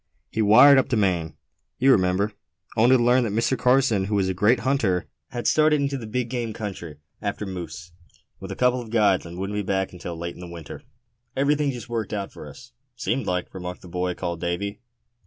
He wired up to Maine, you remember, only to learn that Mr. Carson, who was a great hunter, had started into the big game country after moose, with a couple of guides, and wouldn't be back until late in the winter." "Everything just worked for us, seemed like," remarked the boy called Davy.